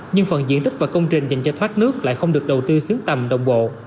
nhưng phần diện tích và công trình dành cho thoát nước lại không được đầu tư xứng tầm đồng bộ